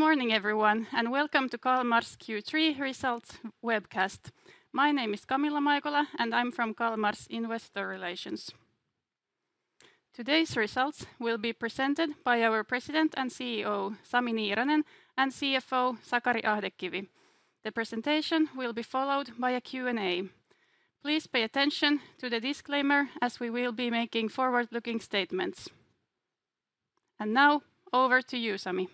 Good morning, everyone, and welcome to Kalmar's Q3 Results webcast. My name is Camilla Maikola, and I'm from Kalmar's Investor Relations. Today's results will be presented by our President and CEO, Sami Niiranen, and CFO, Sakari Ahdekivi. The presentation will be followed by a Q&A. Please pay attention to the disclaimer, as we will be making forward-looking statements. And now, over to you, Sami.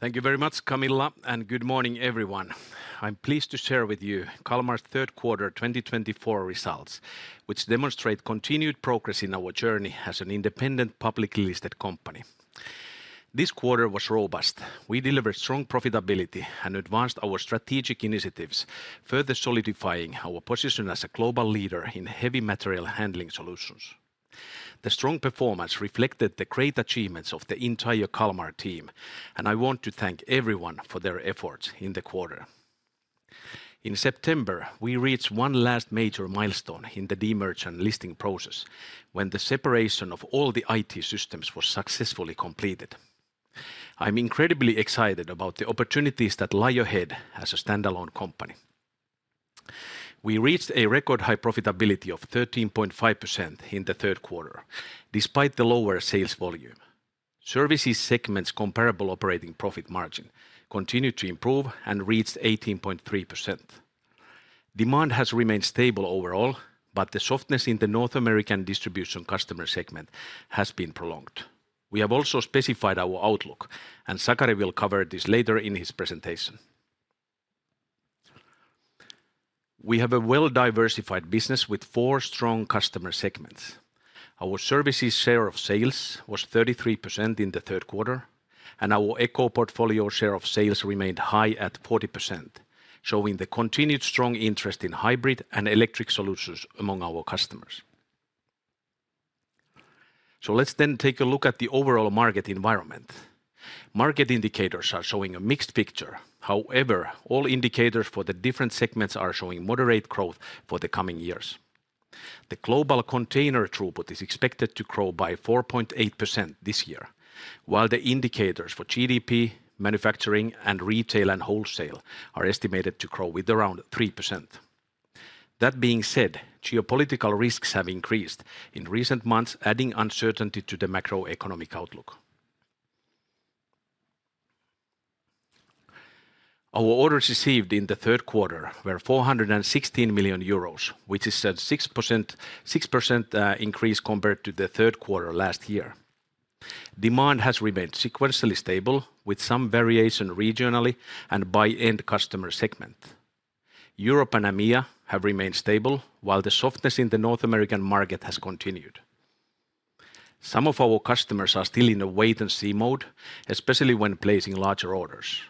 Thank you very much, Camilla, and good morning, everyone. I'm pleased to share with you Kalmar's third quarter 2024 results, which demonstrate continued progress in our journey as an independent publicly listed company. This quarter was robust. We delivered strong profitability and advanced our strategic initiatives, further solidifying our position as a global leader in heavy material handling solutions. The strong performance reflected the great achievements of the entire Kalmar team, and I want to thank everyone for their efforts in the quarter. In September, we reached one last major milestone in the demerger listing process, when the separation of all the IT systems was successfully completed. I'm incredibly excited about the opportunities that lie ahead as a standalone company. We reached a record high profitability of 13.5% in the third quarter, despite the lower sales volume. Services segment's comparable operating profit margin continued to improve and reached 18.3%. Demand has remained stable overall, but the softness in the North American distribution customer segment has been prolonged. We have also specified our outlook, and Sakari will cover this later in his presentation. We have a well-diversified business with four strong customer segments. Our Services share of sales was 33% in the third quarter, and our Eco Portfolio share of sales remained high at 40%, showing the continued strong interest in hybrid and electric solutions among our customers. So let's then take a look at the overall market environment. Market indicators are showing a mixed picture. However, all indicators for the different segments are showing moderate growth for the coming years. The global container throughput is expected to grow by 4.8% this year, while the indicators for GDP, manufacturing, retail, and wholesale are estimated to grow with around 3%. That being said, geopolitical risks have increased in recent months, adding uncertainty to the macroeconomic outlook. Our orders received in the third quarter were 416 million euros, which is a 6% increase compared to the third quarter last year. Demand has remained sequentially stable, with some variation regionally and by end customer segment. Europe and EMEA have remained stable, while the softness in the North American market has continued. Some of our customers are still in a wait-and-see mode, especially when placing larger orders.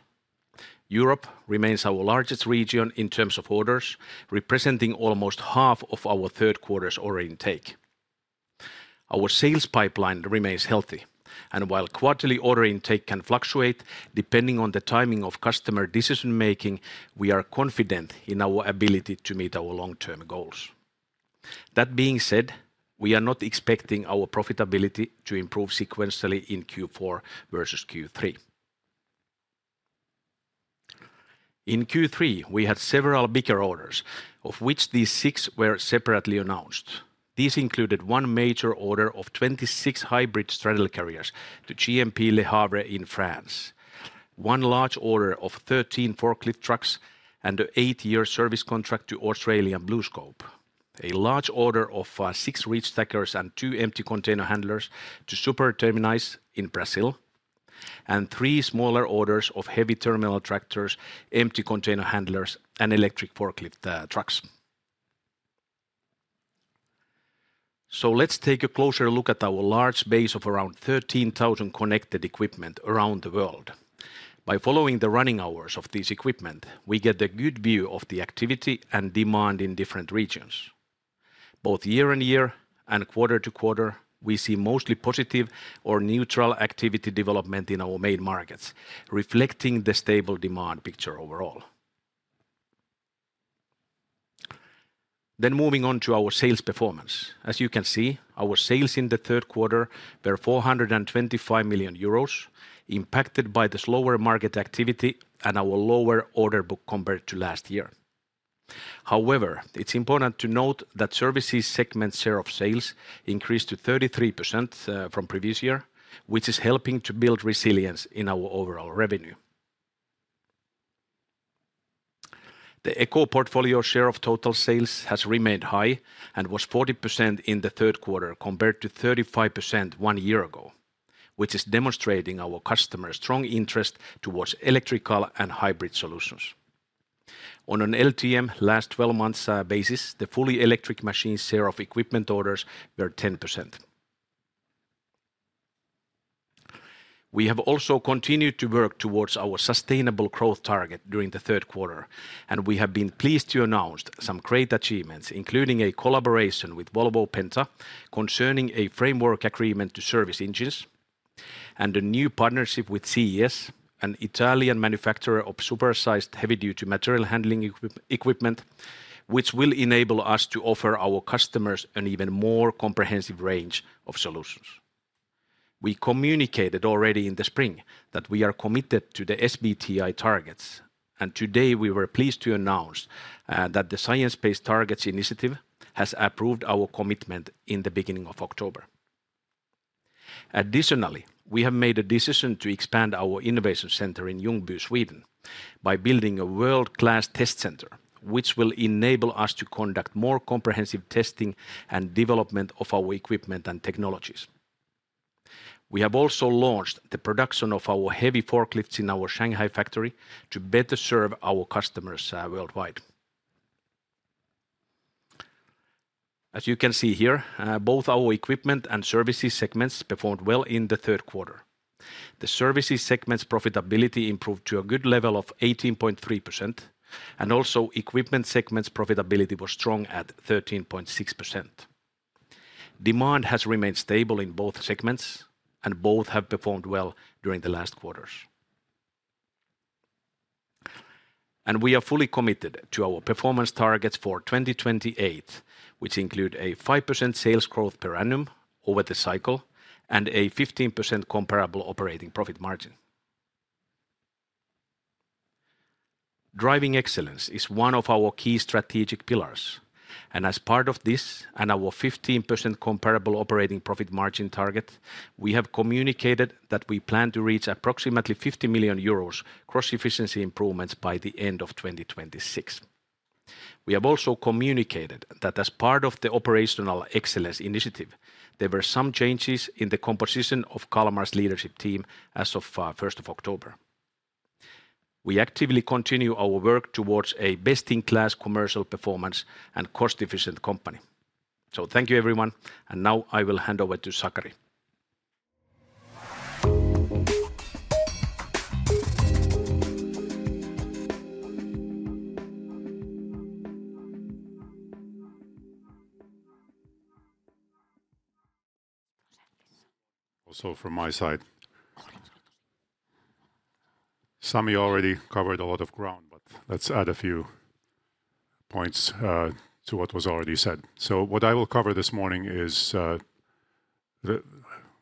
Europe remains our largest region in terms of orders, representing almost half of our third quarter's order intake. Our sales pipeline remains healthy, and while quarterly order intake can fluctuate depending on the timing of customer decision-making, we are confident in our ability to meet our long-term goals. That being said, we are not expecting our profitability to improve sequentially in Q4 versus Q3. In Q3, we had several bigger orders, of which these six were separately announced. These included one major order of 26 hybrid straddle carriers to GMP Le Havre in France, one large order of 13 forklift trucks and an eight-year service contract to Australia, BlueScope, a large order of six reachstackers and two empty container handlers to Super Terminais in Brazil, and three smaller orders of heavy terminal tractors, empty container handlers, and electric forklift trucks. So let's take a closer look at our large base of around 13,000 connected equipment around the world. By following the running hours of this equipment, we get a good view of the activity and demand in different regions. Both year-on-year and quarter-to-quarter, we see mostly positive or neutral activity development in our main markets, reflecting the stable demand picture overall. Then moving on to our sales performance. As you can see, our sales in the third quarter were 425 million euros, impacted by the slower market activity and our lower order book compared to last year. However, it's important to note that services segment share of sales increased to 33% from previous year, which is helping to build resilience in our overall revenue. The Eco Portfolio share of total sales has remained high and was 40% in the third quarter compared to 35% one year ago, which is demonstrating our customers' strong interest towards electrical and hybrid solutions. On an LTM last 12 months basis, the fully electric machines share of equipment orders were 10%. We have also continued to work towards our sustainable growth target during the third quarter, and we have been pleased to announce some great achievements, including a collaboration with Volvo Penta concerning a framework agreement to service engines and a new partnership with CES, an Italian manufacturer of supersized heavy-duty material handling equipment, which will enable us to offer our customers an even more comprehensive range of solutions. We communicated already in the spring that we are committed to the SBTi targets, and today we were pleased to announce that the Science Based Targets initiative has approved our commitment in the beginning of October. Additionally, we have made a decision to expand our innovation center in Ljungby, Sweden, by building a world-class test center, which will enable us to conduct more comprehensive testing and development of our equipment and technologies. We have also launched the production of our heavy forklifts in our Shanghai factory to better serve our customers worldwide. As you can see here, both our equipment and services segments performed well in the third quarter. The services segment's profitability improved to a good level of 18.3%, and also equipment segment's profitability was strong at 13.6%. Demand has remained stable in both segments, and both have performed well during the last quarters. We are fully committed to our performance targets for 2028, which include a 5% sales growth per annum over the cycle and a 15% comparable operating profit margin. Driving Excellence is one of our key strategic pillars, and as part of this and our 15% comparable operating profit margin target, we have communicated that we plan to reach approximately 50 million euros cost-efficiency improvements by the end of 2026. We have also communicated that as part of the operational excellence initiative, there were some changes in the composition of Kalmar's leadership team as of 1 October. We actively continue our work towards a best-in-class commercial performance and cost-efficient company. So thank you, everyone, and now I will hand over to Sakari. Also from my side, Sami already covered a lot of ground, but let's add a few points to what was already said. So what I will cover this morning is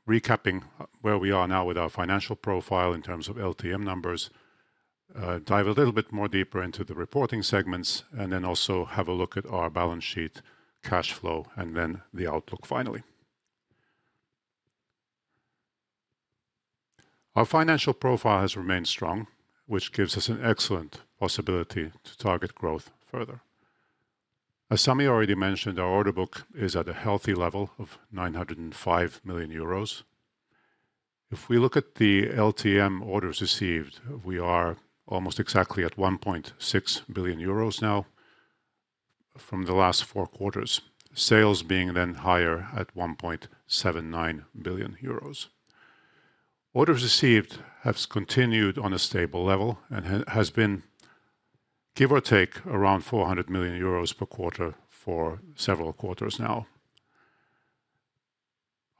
recapping where we are now with our financial profile in terms of LTM numbers, dive a little bit more deeper into the reporting segments, and then also have a look at our balance sheet, cash flow, and then the outlook finally. Our financial profile has remained strong, which gives us an excellent possibility to target growth further. As Sami already mentioned, our order book is at a healthy level of 905 million euros. If we look at the LTM orders received, we are almost exactly at 1.6 billion euros now from the last four quarters, sales being then higher at 1.79 billion euros. Orders received have continued on a stable level and have been, give or take, around 400 million euros per quarter for several quarters now.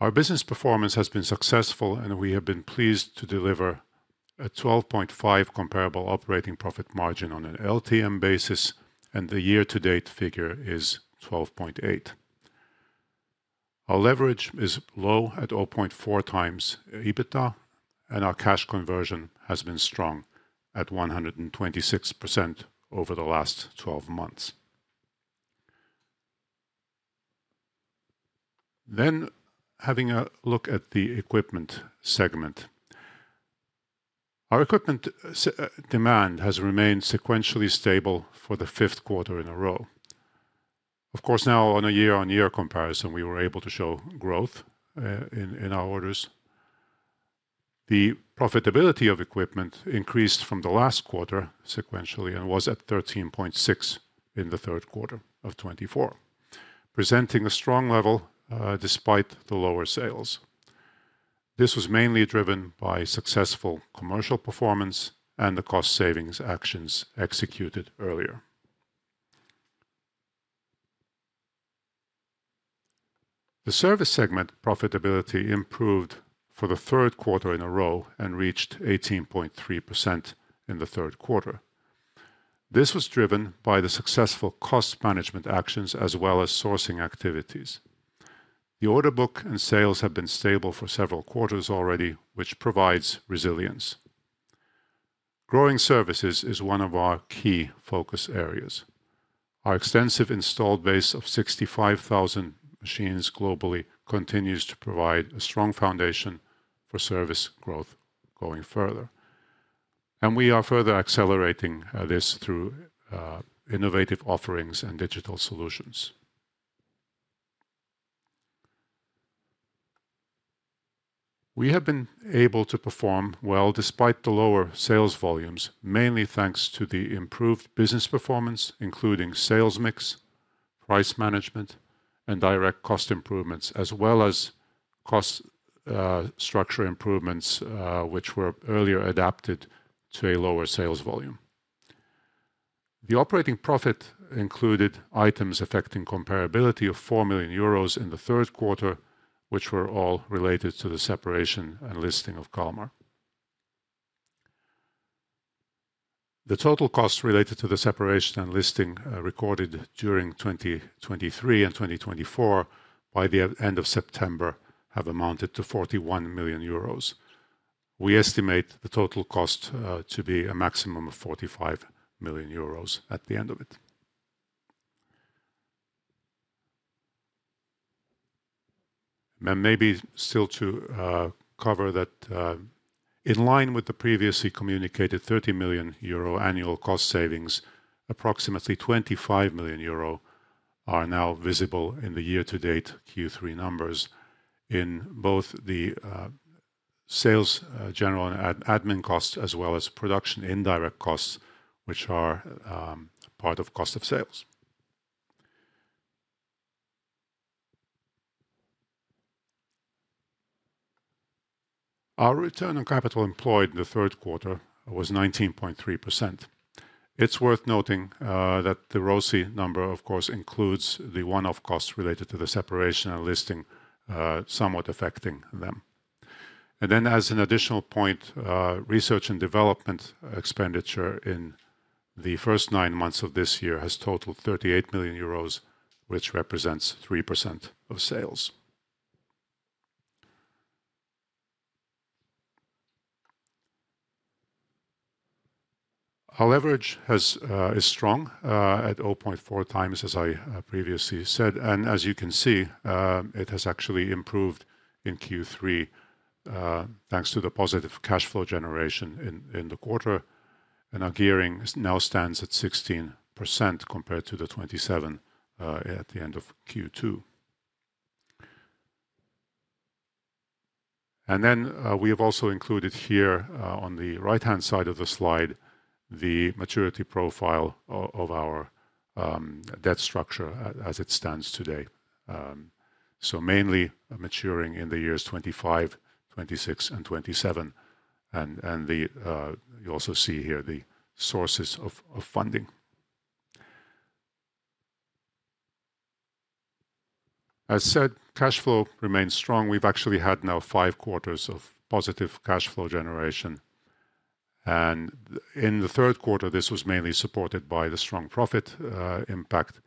Our business performance has been successful, and we have been pleased to deliver a 12.5% comparable operating profit margin on an LTM basis, and the year-to-date figure is 12.8%. Our leverage is low at 0.4x EBITDA, and our cash conversion has been strong at 126% over the last 12 months. Then, having a look at the equipment segment, our equipment demand has remained sequentially stable for the fifth quarter in a row. Of course, now on a year-on-year comparison, we were able to show growth in our orders. The profitability of equipment increased from the last quarter sequentially and was at 13.6% in the third quarter of 2024, presenting a strong level despite the lower sales. This was mainly driven by successful commercial performance and the cost savings actions executed earlier. The service segment profitability improved for the third quarter in a row and reached 18.3% in the third quarter. This was driven by the successful cost management actions as well as sourcing activities. The order book and sales have been stable for several quarters already, which provides resilience. Growing services is one of our key focus areas. Our extensive installed base of 65,000 machines globally continues to provide a strong foundation for service growth going further, and we are further accelerating this through innovative offerings and digital solutions. We have been able to perform well despite the lower sales volumes, mainly thanks to the improved business performance, including sales mix, price management, and direct cost improvements, as well as cost structure improvements, which were earlier adapted to a lower sales volume. The operating profit included items affecting comparability of 4 million euros in the third quarter, which were all related to the separation and listing of Kalmar. The total costs related to the separation and listing recorded during 2023 and 2024 by the end of September have amounted to 41 million euros. We estimate the total cost to be a maximum of 45 million euros at the end of it, and maybe still to cover that in line with the previously communicated 30 million euro annual cost savings, approximately 25 million euro are now visible in the year-to-date Q3 numbers in both the sales, general and admin costs as well as production indirect costs, which are part of cost of sales. Our return on capital employed in the third quarter was 19.3%. It's worth noting that the ROCE number, of course, includes the one-off costs related to the separation and listing somewhat affecting them. And then, as an additional point, research and development expenditure in the first nine months of this year has totaled 38 million euros, which represents 3% of sales. Our leverage is strong at 0.4x, as I previously said, and as you can see, it has actually improved in Q3 thanks to the positive cash flow generation in the quarter, and our gearing now stands at 16% compared to the 27% at the end of Q2. And then we have also included here on the right-hand side of the slide the maturity profile of our debt structure as it stands today, so mainly maturing in the years 2025, 2026, and 2027. And you also see here the sources of funding. As said, cash flow remains strong. We've actually had now five quarters of positive cash flow generation, and in the third quarter, this was mainly supported by the strong profit impact.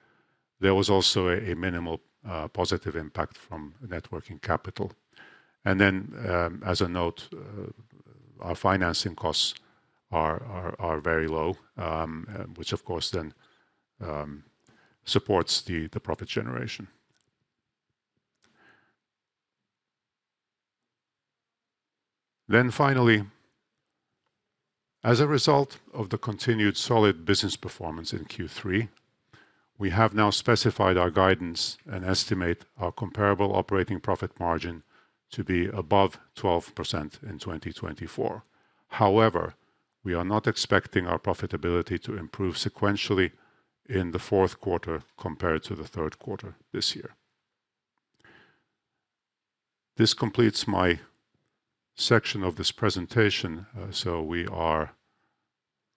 There was also a minimal positive impact from net working capital. And then, as a note, our financing costs are very low, which of course then supports the profit generation. Then finally, as a result of the continued solid business performance in Q3, we have now specified our guidance and estimate our comparable operating profit margin to be above 12% in 2024. However, we are not expecting our profitability to improve sequentially in the fourth quarter compared to the third quarter this year. This completes my section of this presentation, so we are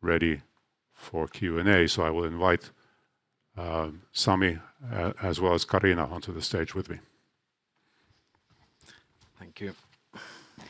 ready for Q&A. So I will invite Sami as well as Carina onto the stage with me. Thank you. I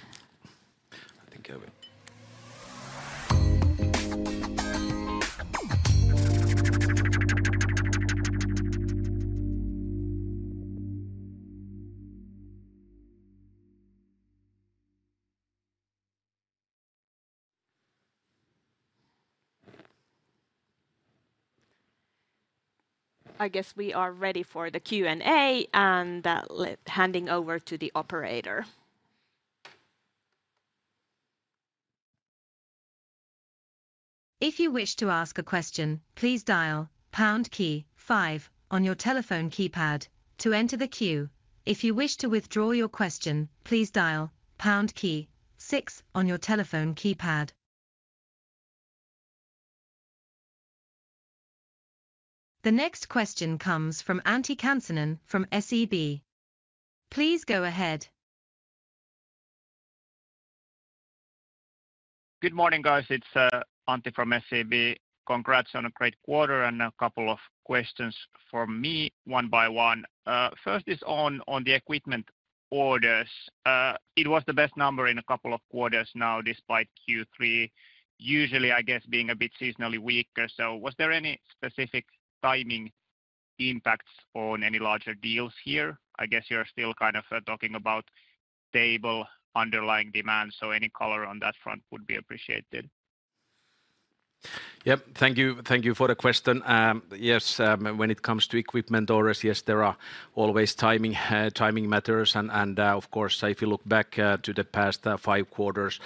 guess we are ready for the Q&A and handing over to the operator. If you wish to ask a question, please dial pound key five on your telephone keypad to enter the queue. If you wish to withdraw your question, please dial pound key six on your telephone keypad. The next question comes from Antti Kansanen from SEB. Please go ahead. Good morning, guys. It's Antti from SEB. Congrats on a great quarter, and a couple of questions for me, one by one. First is on the equipment orders. It was the best number in a couple of quarters now despite Q3 usually, I guess, being a bit seasonally weaker. So was there any specific timing impacts on any larger deals here? I guess you're still kind of talking about stable underlying demand, so any color on that front would be appreciated. Yep, thank you for the question. Yes, when it comes to equipment orders, yes, there are always timing matters. And of course, if you look back to the past five quarters,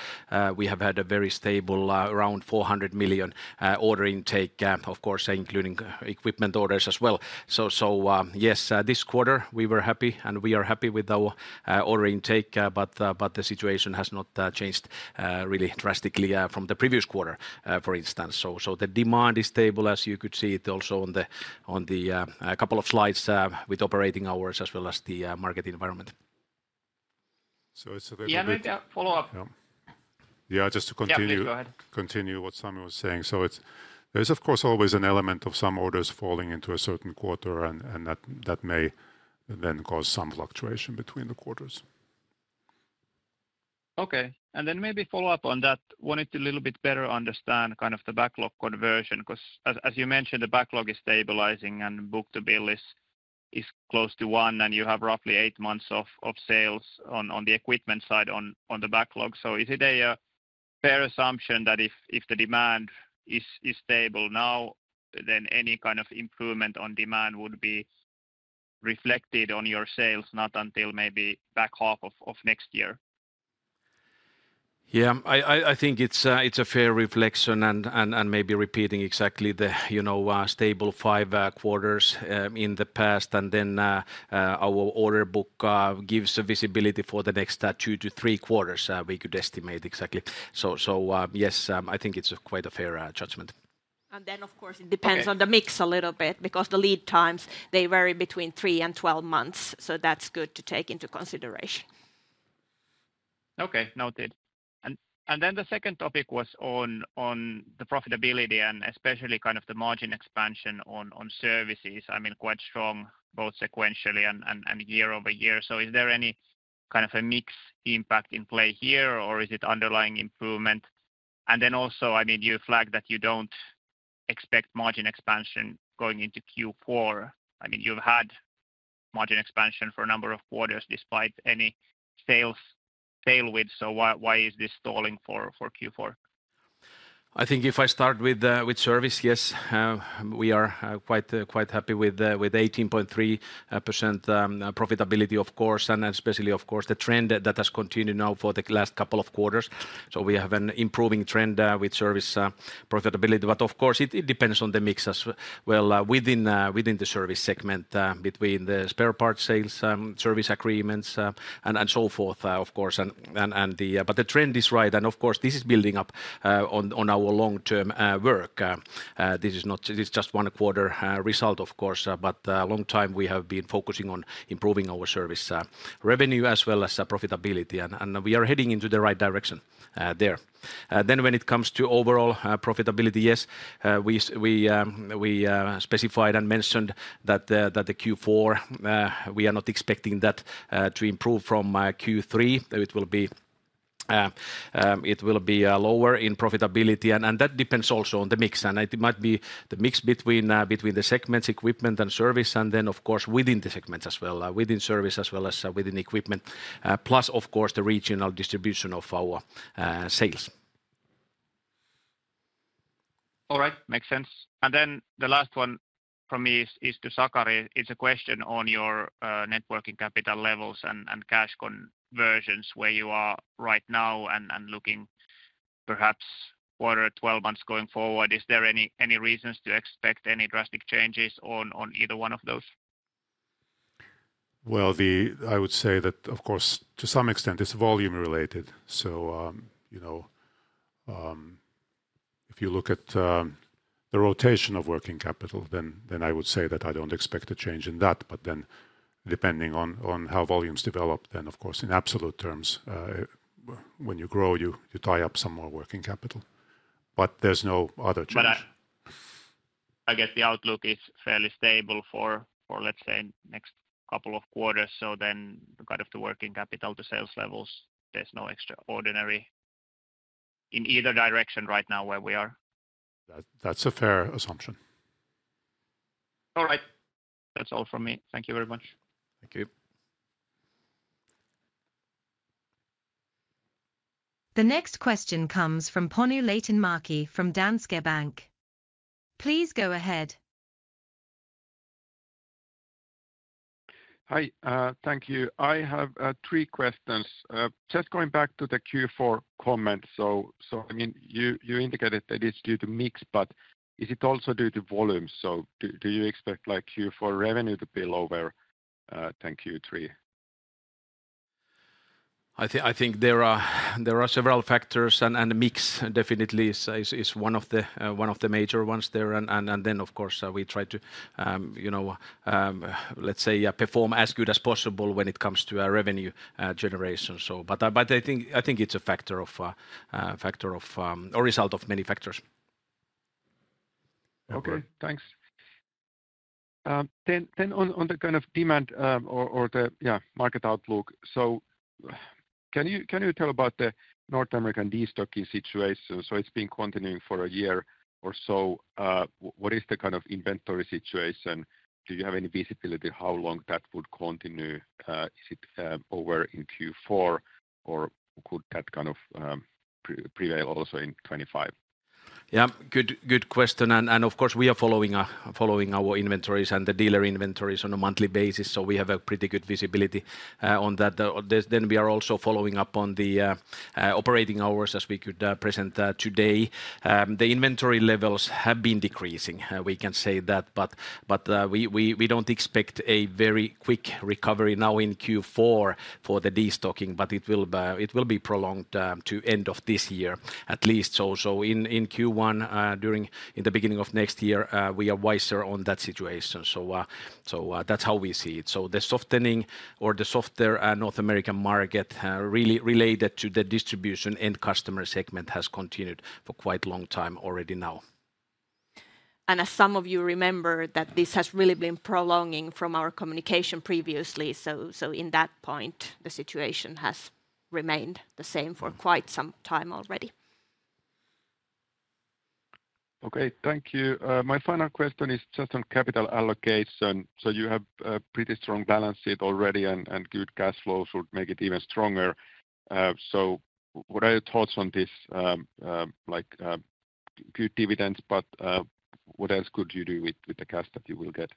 we have had a very stable around 400 million order intake, of course, including equipment orders as well. So yes, this quarter we were happy and we are happy with our order intake, but the situation has not changed really drastically from the previous quarter, for instance. So the demand is stable, as you could see it also on the couple of slides with operating hours as well as the market environment. So it's a very good. Yeah, maybe a follow-up. Yeah, just to continue. Yeah, go ahead. Continue what Sami was saying. So there is, of course, always an element of some orders falling into a certain quarter, and that may then cause some fluctuation between the quarters. Okay, and then maybe follow up on that. Wanted to a little bit better understand kind of the backlog conversion because, as you mentioned, the backlog is stabilizing and book-to-bill is close to one, and you have roughly eight months of sales on the equipment side on the backlog. So is it a fair assumption that if the demand is stable now, then any kind of improvement on demand would be reflected on your sales not until maybe back half of next year? Yeah, I think it's a fair reflection and maybe repeating exactly the stable five quarters in the past, and then our order book gives visibility for the next two to three quarters, we could estimate exactly. So yes, I think it's quite a fair judgment. Then, of course, it depends on the mix a little bit because the lead times, they vary between three and 12 months, so that's good to take into consideration. Okay, noted. And then the second topic was on the profitability and especially kind of the margin expansion on services. I mean, quite strong both sequentially and year-over-year. So is there any kind of a mixed impact in play here, or is it underlying improvement? And then also, I mean, you flagged that you don't expect margin expansion going into Q4. I mean, you've had margin expansion for a number of quarters despite any sales tailwinds, so why is this stalling for Q4? I think if I start with service, yes, we are quite happy with 18.3% profitability, of course, and especially, of course, the trend that has continued now for the last couple of quarters. So we have an improving trend with service profitability, but of course, it depends on the mix as well within the service segment between the spare part sales, service agreements, and so forth, of course, but the trend is right, and of course, this is building up on our long-term work. This is not just one quarter result, of course, but a long time we have been focusing on improving our service revenue as well as profitability, and we are heading into the right direction there, then when it comes to overall profitability, yes, we specified and mentioned that the Q4, we are not expecting that to improve from Q3. It will be lower in profitability, and that depends also on the mix, and it might be the mix between the segments, equipment, and service, and then, of course, within the segments as well, within service as well as within equipment, plus, of course, the regional distribution of our sales. All right, makes sense. And then the last one from me is to Sakari. It's a question on your net working capital levels and cash conversions where you are right now and looking perhaps a quarter, 12 months going forward. Is there any reasons to expect any drastic changes on either one of those? I would say that, of course, to some extent, it's volume related. If you look at the rotation of working capital, then I would say that I don't expect a change in that, but then depending on how volumes develop, then, of course, in absolute terms, when you grow, you tie up some more working capital, but there's no other change. But I guess the outlook is fairly stable for, let's say, next couple of quarters, so then kind of the working capital to sales levels. There's no extraordinary in either direction right now where we are. That's a fair assumption. All right, that's all from me. Thank you very much. Thank you. The next question comes from Panu Laitinmäki from Danske Bank. Please go ahead. Hi, thank you. I have three questions. Just going back to the Q4 comment, so I mean, you indicated that it's due to mix, but is it also due to volumes? So do you expect Q4 revenue to be lower than Q3? I think there are several factors, and mix definitely is one of the major ones there, and then, of course, we try to, let's say, perform as good as possible when it comes to revenue generation, but I think it's a factor of a result of many factors. Okay, thanks. Then on the kind of demand or the market outlook, so can you tell about the North American destocking situation? So it's been continuing for a year or so. What is the kind of inventory situation? Do you have any visibility how long that would continue? Is it over in Q4, or could that kind of prevail also in 2025? Yeah. Good question. And of course, we are following our inventories and the dealer inventories on a monthly basis, so we have a pretty good visibility on that. Then we are also following up on the operating hours as we could present today. The inventory levels have been decreasing, we can say that, but we don't expect a very quick recovery now in Q4 for the destocking, but it will be prolonged to the end of this year at least. So in Q1, during the beginning of next year, we are wiser on that situation. So that's how we see it. So the softening or the softer North American market related to the distribution and customer segment has continued for quite a long time already now. As some of you remember, this has really been prolonging from our communication previously. In that point, the situation has remained the same for quite some time already. Okay, thank you. My final question is just on capital allocation. So you have a pretty strong balance sheet already, and good cash flow should make it even stronger. So what are your thoughts on this? Like good dividends, but what else could you do with the cash that you will get?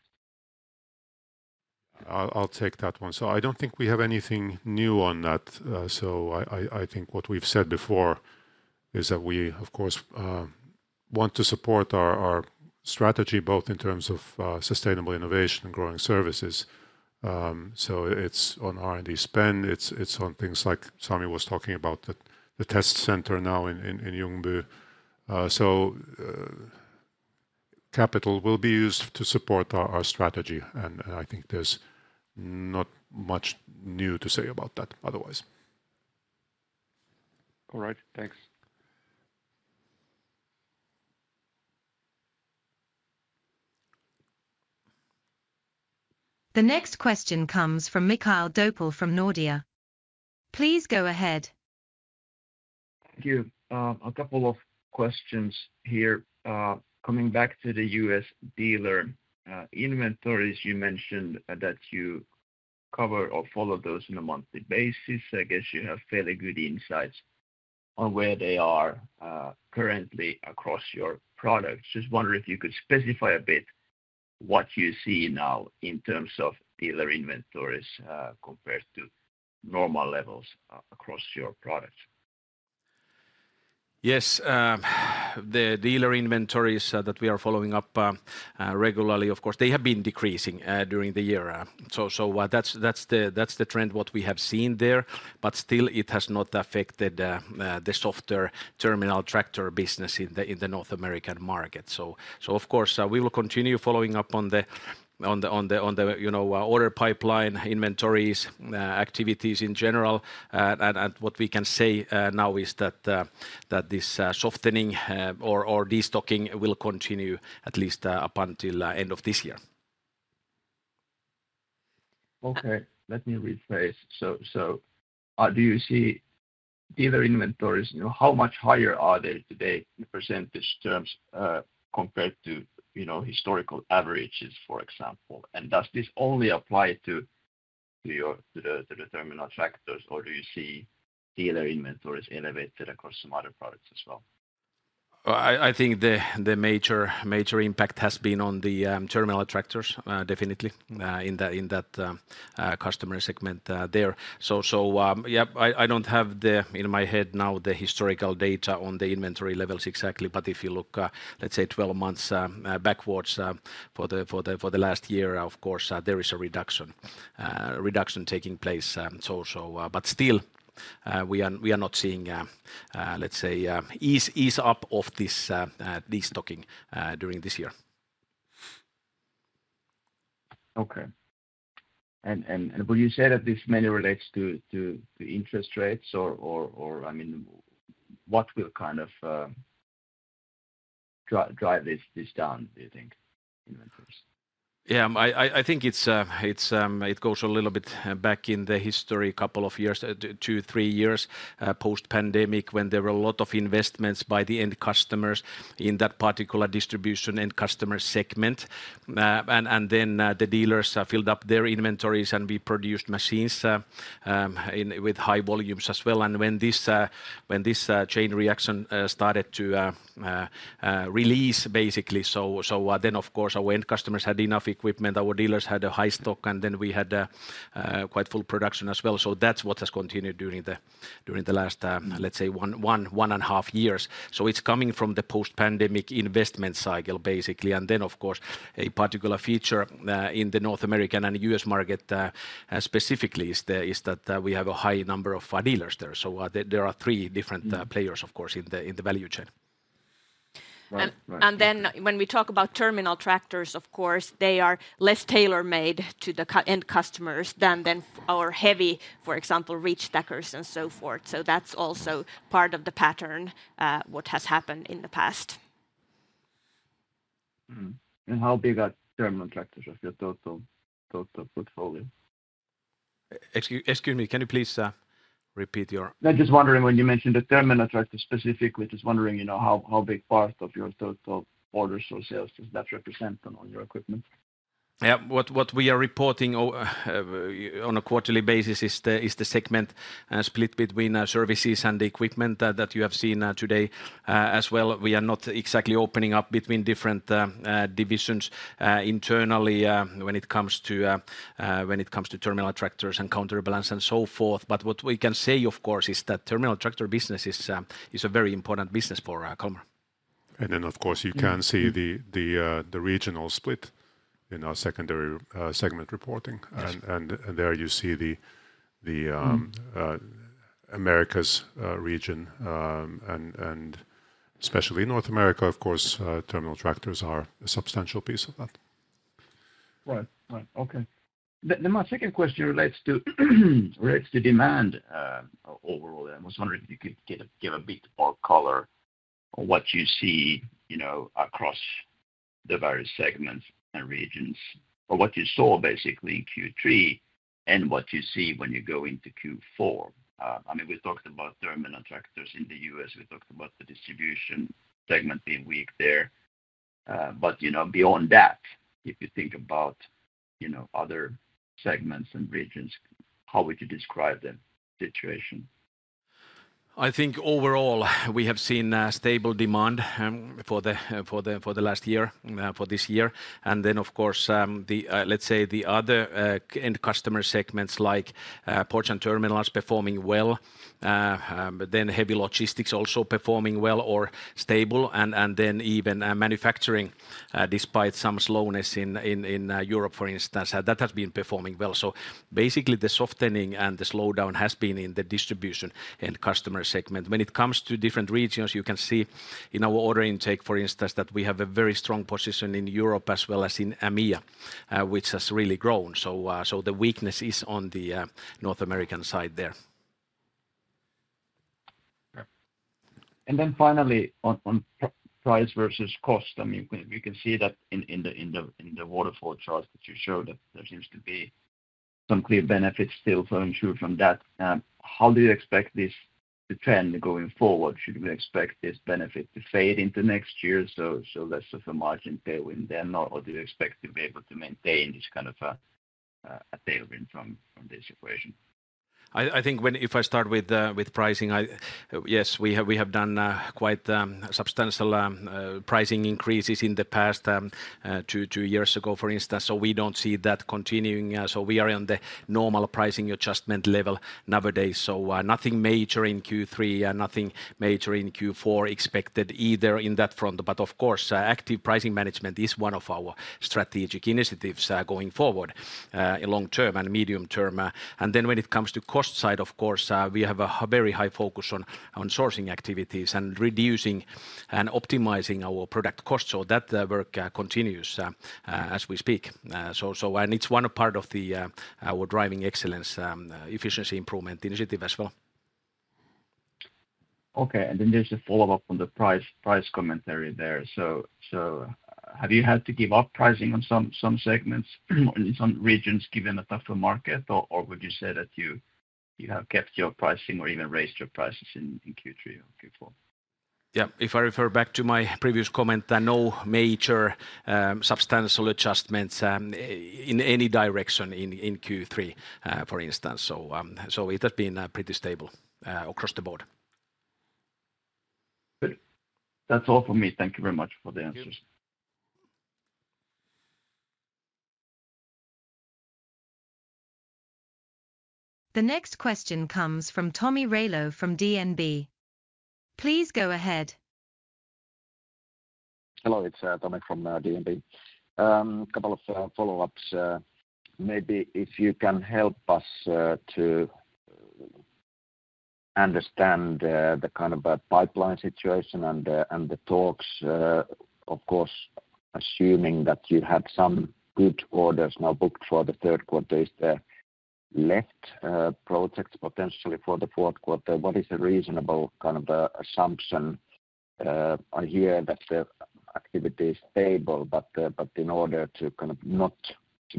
I'll take that one. So I don't think we have anything new on that. So I think what we've said before is that we, of course, want to support our strategy both in terms of sustainable innovation and growing services. So it's on R&D spend. It's on things like Sami was talking about, the test center now in Ljungby. So capital will be used to support our strategy, and I think there's not much new to say about that otherwise. All right, thanks. The next question comes from Mikael Doepel from Nordea. Please go ahead. Thank you. A couple of questions here. Coming back to the U.S. dealer inventories, you mentioned that you cover or follow those on a monthly basis. I guess you have fairly good insights on where they are currently across your products. Just wondering if you could specify a bit what you see now in terms of dealer inventories compared to normal levels across your products? Yes, the dealer inventories that we are following up regularly, of course, they have been decreasing during the year. So that's the trend what we have seen there, but still it has not affected the softer terminal tractor business in the North American market. So of course, we will continue following up on the order pipeline, inventories, activities in general. And what we can say now is that this softening or destocking will continue at least up until the end of this year. Okay, let me rephrase. So do you see dealer inventories, how much higher are they today in percentage terms compared to historical averages, for example? And does this only apply to the terminal tractors, or do you see dealer inventories elevated across some other products as well? I think the major impact has been on the terminal tractors, definitely in that customer segment there. So yeah, I don't have in my head now the historical data on the inventory levels exactly, but if you look, let's say, 12 months backwards for the last year, of course, there is a reduction taking place. But still, we are not seeing, let's say, ease up of this destocking during this year. Okay. And would you say that this mainly relates to interest rates or, I mean, what will kind of drive this down, do you think, inventories? Yeah, I think it goes a little bit back in the history a couple of years, two, three years post-pandemic when there were a lot of investments by the end customers in that particular distribution end customer segment. And then the dealers filled up their inventories and we produced machines with high volumes as well. And when this chain reaction started to release, basically, so then, of course, our end customers had enough equipment, our dealers had a high stock, and then we had quite full production as well. So that's what has continued during the last, let's say, one and a half years. So it's coming from the post-pandemic investment cycle, basically. And then, of course, a particular feature in the North American and U.S. market specifically is that we have a high number of dealers there. So there are three different players, of course, in the value chain. And then when we talk about terminal tractors, of course, they are less tailor-made to the end customers than our heavy, for example, reach stackers and so forth. So that's also part of the pattern, what has happened in the past. How big are terminal tractors of your total portfolio? Excuse me, can you please repeat your? I'm just wondering when you mentioned the terminal tractor specifically, just wondering how big part of your total orders or sales does that represent on your equipment? Yeah, what we are reporting on a quarterly basis is the segment split between services and equipment that you have seen today as well. We are not exactly opening up between different divisions internally when it comes to terminal tractors and counterbalance and so forth, but what we can say, of course, is that terminal tractor business is a very important business for Kalmar. And then, of course, you can see the regional split in our secondary segment reporting. And there you see the Americas region, and especially North America, of course, terminal tractors are a substantial piece of that. Right, right, okay. Then my second question relates to demand overall. I was wondering if you could give a bit more color on what you see across the various segments and regions, or what you saw basically in Q3 and what you see when you go into Q4. I mean, we talked about terminal tractors in the U.S. We talked about the distribution segment being weak there. But beyond that, if you think about other segments and regions, how would you describe the situation? I think overall we have seen stable demand for the last year, for this year. Then, of course, let's say the other end customer segments like ports and terminals performing well, then heavy logistics also performing well or stable, and then even manufacturing despite some slowness in Europe, for instance, that has been performing well. Basically, the softening and the slowdown has been in the distribution and customer segment. When it comes to different regions, you can see in our order intake, for instance, that we have a very strong position in Europe as well as in EMEA, which has really grown. The weakness is on the North American side there. And then finally, on price versus cost, I mean, we can see that in the waterfall chart that you showed that there seems to be some clear benefits still in store from that. How do you expect this trend going forward? Should we expect this benefit to fade into next year? So less of a margin tailwind then, or do you expect to be able to maintain this kind of a tailwind from this equation? I think if I start with pricing, yes, we have done quite substantial pricing increases in the past two years ago, for instance. So we don't see that continuing. So we are on the normal pricing adjustment level nowadays. So nothing major in Q3, nothing major in Q4 expected either in that front. But of course, active pricing management is one of our strategic initiatives going forward in long term and medium term. And then when it comes to cost side, of course, we have a very high focus on sourcing activities and reducing and optimizing our product costs. So that work continues as we speak. And it's one part of our Driving Excellence efficiency improvement initiative as well. Okay, and then there's a follow-up on the price commentary there. So have you had to give up pricing on some segments or in some regions given a tougher market, or would you say that you have kept your pricing or even raised your prices in Q3 or Q4? Yeah, if I refer back to my previous comment, no major substantial adjustments in any direction in Q3, for instance. So it has been pretty stable across the board. Good. That's all for me. Thank you very much for the answers. The next question comes from Tomi Railo from DNB. Please go ahead. Hello, it's Tomi from DNB. A couple of follow-ups. Maybe if you can help us to understand the kind of pipeline situation and the talks, of course, assuming that you had some good orders now booked for the third quarter, is there left projects potentially for the fourth quarter? What is a reasonable kind of assumption? I hear that the activity is stable, but in order to kind of not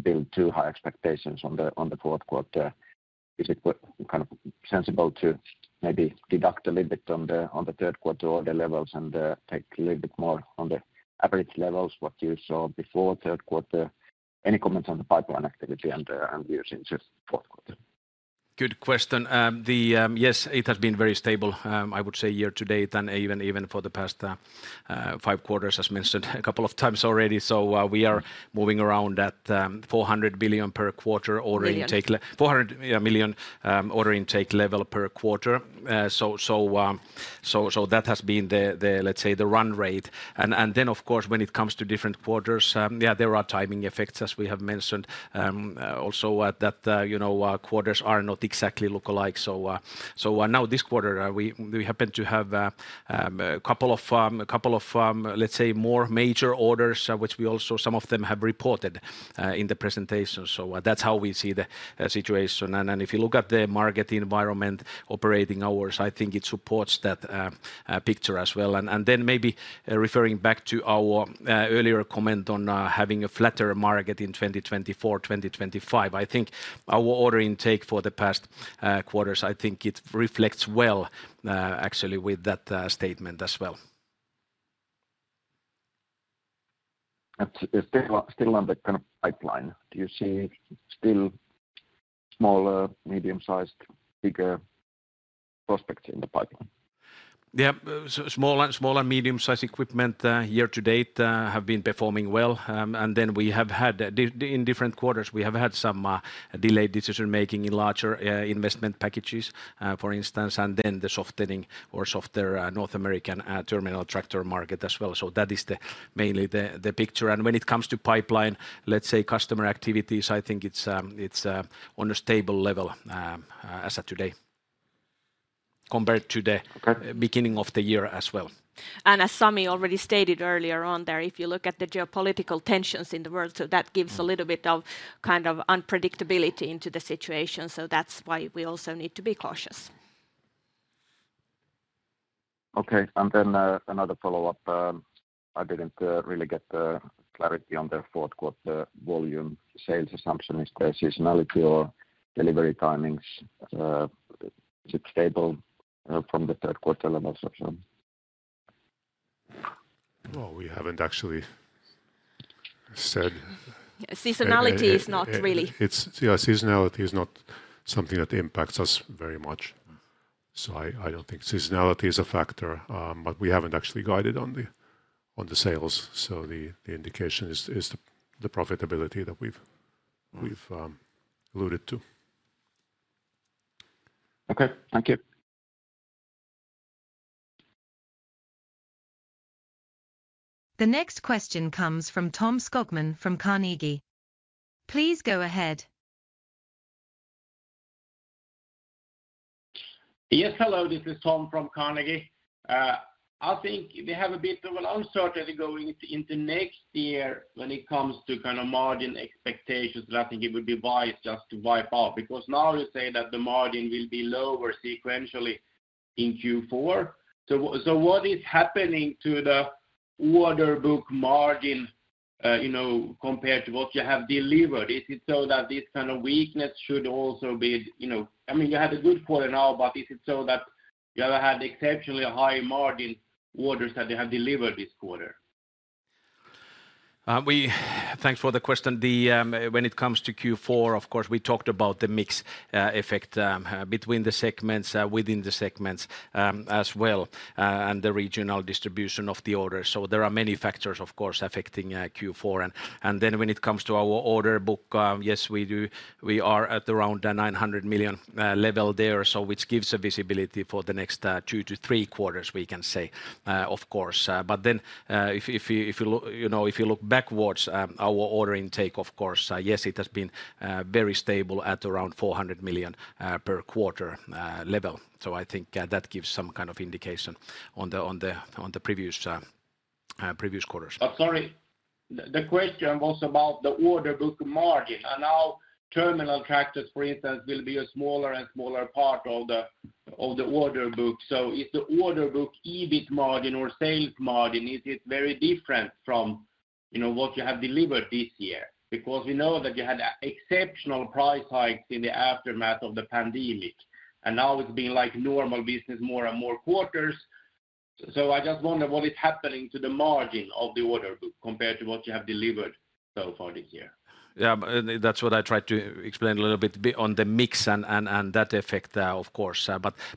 build too high expectations on the fourth quarter, is it kind of sensible to maybe deduct a little bit on the third quarter order levels and take a little bit more on the average levels what you saw before third quarter? Any comments on the pipeline activity and views into fourth quarter? Good question. Yes, it has been very stable, I would say, year to date and even for the past five quarters, as mentioned a couple of times already, so we are moving around that 400 million per quarter order intake, 400 million order intake level per quarter, so that has been the, let's say, the run rate, and then, of course, when it comes to different quarters, yeah, there are timing effects, as we have mentioned, also that quarters are not exactly lookalike, so now this quarter, we happen to have a couple of, let's say, more major orders, which we also, some of them have reported in the presentation, so that's how we see the situation, and if you look at the market environment, operating hours, I think it supports that picture as well. And then, maybe referring back to our earlier comment on having a flatter market in 2024, 2025, I think our order intake for the past quarters. I think it reflects well actually with that statement as well. Still on the kind of pipeline, do you see still smaller, medium-sized, bigger prospects in the pipeline? Yeah, small and medium-sized equipment year to date have been performing well. And then we have had, in different quarters, we have had some delayed decision-making in larger investment packages, for instance, and then the softening or softer North American terminal tractor market as well. So that is mainly the picture. And when it comes to pipeline, let's say customer activities, I think it's on a stable level as of today compared to the beginning of the year as well. And as Sami already stated earlier on there, if you look at the geopolitical tensions in the world, so that gives a little bit of kind of unpredictability into the situation. So that's why we also need to be cautious. Okay, and then another follow-up. I didn't really get clarity on the fourth quarter volume sales assumption. Is there seasonality or delivery timings? Is it stable from the third quarter levels or so? We haven't actually said. Seasonality is not really. Yeah, seasonality is not something that impacts us very much. So I don't think seasonality is a factor, but we haven't actually guided on the sales. So the indication is the profitability that we've alluded to. Okay, thank you. The next question comes from Tom Skogman from Carnegie. Please go ahead. Yes, hello, this is Tom from Carnegie. I think we have a bit of an uncertainty going into next year when it comes to kind of margin expectations. I think it would be wise just to wipe out because now you say that the margin will be lower sequentially in Q4. So what is happening to the order book margin compared to what you have delivered? Is it so that this kind of weakness should also be, I mean, you had a good quarter now, but is it so that you have had exceptionally high margin orders that you have delivered this quarter? Thanks for the question. When it comes to Q4, of course, we talked about the mix effect between the segments, within the segments as well, and the regional distribution of the orders. So there are many factors, of course, affecting Q4, and then when it comes to our order book, yes, we are at around the 900 million level there, which gives a visibility for the next two to three quarters, we can say, of course. But then if you look backwards, our order intake, of course, yes, it has been very stable at around 400 million per quarter level, so I think that gives some kind of indication on the previous quarters. Sorry, the question was about the order book margin. And now terminal tractors, for instance, will be a smaller and smaller part of the order book. So is the order book EBIT margin or sales margin, is it very different from what you have delivered this year? Because we know that you had exceptional price hikes in the aftermath of the pandemic. And now it's been like normal business, more and more quarters. So I just wonder what is happening to the margin of the order book compared to what you have delivered so far this year. Yeah, that's what I tried to explain a little bit on the mix and that effect, of course.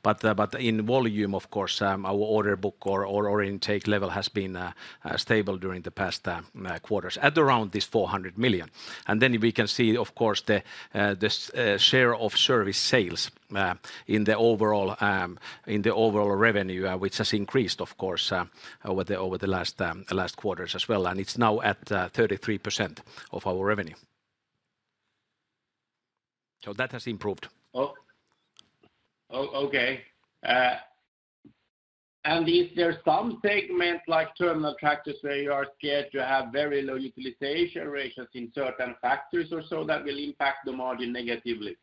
But in volume, of course, our order book or intake level has been stable during the past quarters at around 400 million. And then we can see, of course, the share of service sales in the overall revenue, which has increased, of course, over the last quarters as well. And it's now at 33% of our revenue. So that has improved. Oh, okay, and is there some segment like terminal tractors where you are scared to have very low utilization ratios in certain factors or so that will impact the margin negatively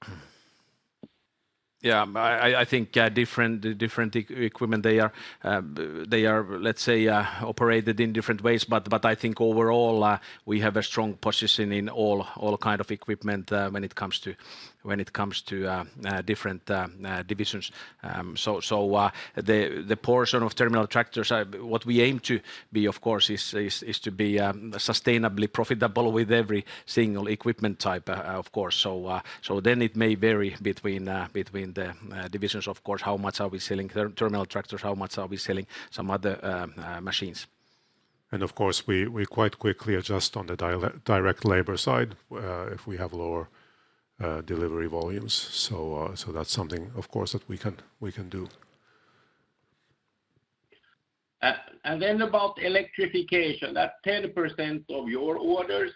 next year? Yeah, I think different equipment, they are, let's say, operated in different ways. But I think overall we have a strong position in all kinds of equipment when it comes to different divisions. So the portion of terminal tractors, what we aim to be, of course, is to be sustainably profitable with every single equipment type, of course. So then it may vary between the divisions, of course, how much are we selling terminal tractors, how much are we selling some other machines. Of course, we quite quickly adjust on the direct labor side if we have lower delivery volumes. That's something, of course, that we can do. And then about electrification, that 10% of your orders,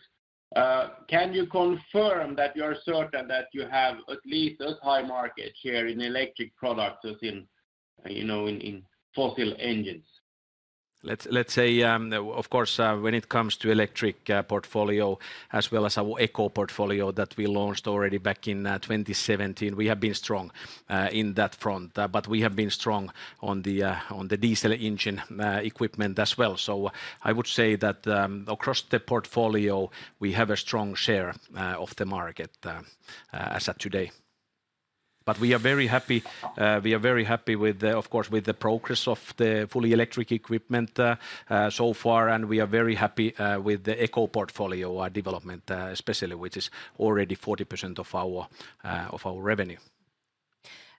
can you confirm that you are certain that you have at least a high market share in electric products as in fossil engines? Let's say, of course, when it comes to electric portfolio as well as our Eco Portfolio that we launched already back in 2017, we have been strong in that front. But we have been strong on the diesel engine equipment as well. So I would say that across the portfolio, we have a strong share of the market as of today. But we are very happy, we are very happy with, of course, with the progress of the fully electric equipment so far. And we are very happy with the Eco Portfolio development, especially which is already 40% of our revenue.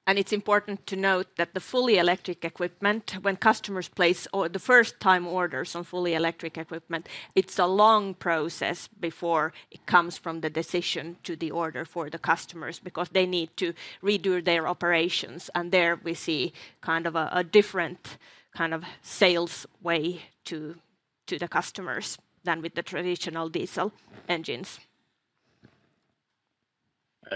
And it's important to note that the fully electric equipment, when customers place the first-time orders on fully electric equipment, it's a long process before it comes from the decision to the order for the customers because they need to redo their operations. And there we see kind of a different kind of sales way to the customers than with the traditional diesel engines.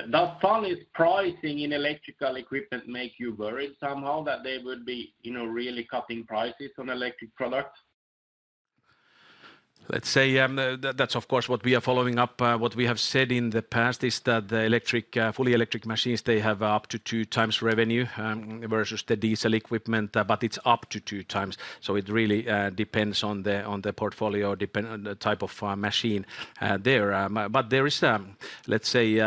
Does Sami's pricing in electric equipment make you worried somehow that they would be really cutting prices on electric products? Let's say that's, of course, what we are following up. What we have said in the past is that the fully electric machines, they have up to two times revenue versus the diesel equipment, but it's up to two times. So it really depends on the portfolio, the type of machine there. But there is, let's say,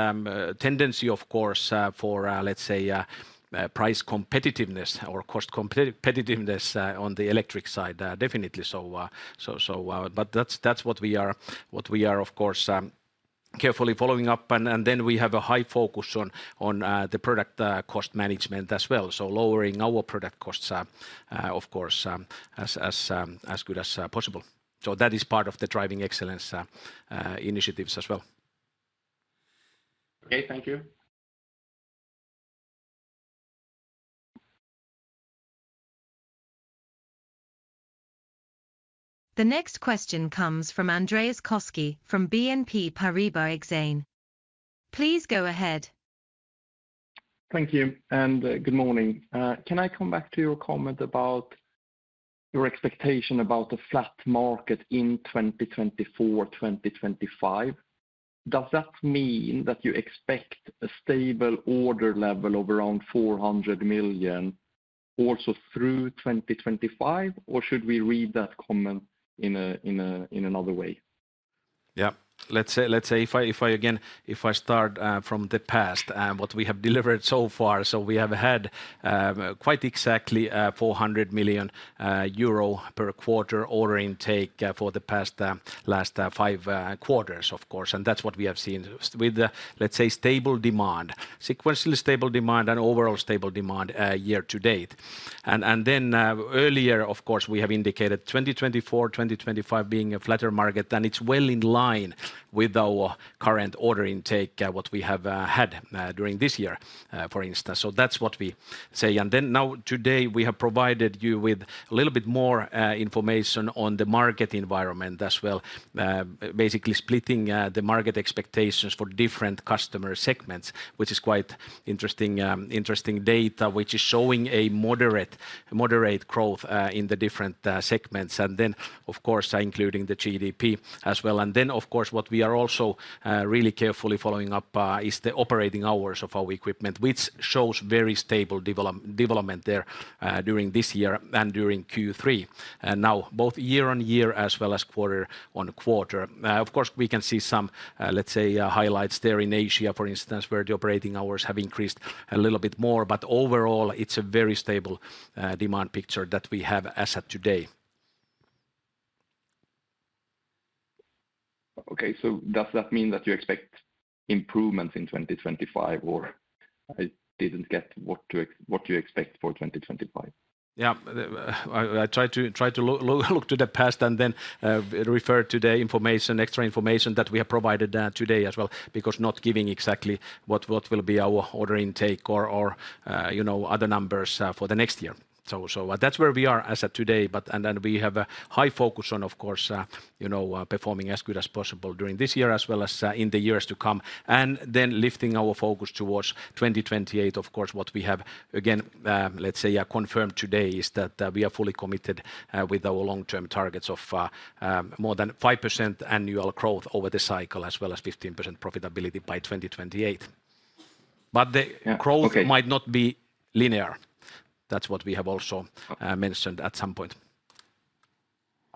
tendency, of course, for, let's say, price competitiveness or cost competitiveness on the electric side, definitely. But that's what we are, of course, carefully following up. And then we have a high focus on the product cost management as well. So lowering our product costs, of course, as good as possible. So that is part of the Driving Excellence initiatives as well. Okay, thank you. The next question comes from Andreas Koski from BNP Paribas Exane. Please go ahead. Thank you. And good morning. Can I come back to your comment about your expectation about the flat market in 2024, 2025? Does that mean that you expect a stable order level of around 400 million also through 2025, or should we read that comment in another way? Yeah, let's say if I again, if I start from the past, what we have delivered so far. So we have had quite exactly 400 million euro per quarter order intake for the past last five quarters, of course. And that's what we have seen with, let's say, stable demand, sequentially stable demand and overall stable demand year to date. And then earlier, of course, we have indicated 2024, 2025 being a flatter market, and it's well in line with our current order intake what we have had during this year, for instance. So that's what we say. And then now today we have provided you with a little bit more information on the market environment as well, basically splitting the market expectations for different customer segments, which is quite interesting data, which is showing a moderate growth in the different segments. And then, of course, including the GDP as well. And then, of course, what we are also really carefully following up is the operating hours of our equipment, which shows very stable development there during this year and during Q3. Now, both year-on-year as well as quarter-on-quarter. Of course, we can see some, let's say, highlights there in Asia, for instance, where the operating hours have increased a little bit more. But overall, it's a very stable demand picture that we have as of today. Okay, so does that mean that you expect improvements in 2025, or I didn't get what you expect for 2025? Yeah, I try to look to the past and then refer to the information, extra information that we have provided today as well, because not giving exactly what will be our order intake or other numbers for the next year. So that's where we are as of today, and then we have a high focus on, of course, performing as good as possible during this year as well as in the years to come, and then lifting our focus towards 2028, of course, what we have, again, let's say, confirmed today is that we are fully committed with our long-term targets of more than 5% annual growth over the cycle as well as 15% profitability by 2028, but the growth might not be linear. That's what we have also mentioned at some point.